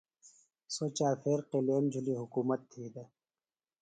سوۡ چاپھیر قِلیم جُھلیۡ حُکومت تھی دےۡ